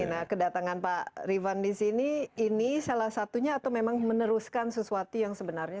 nah kedatangan pak rifan di sini ini salah satunya atau memang meneruskan sesuatu yang sebenarnya